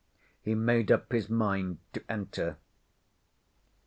He made up his mind to enter.